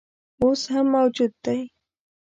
اوس هم موجود دی.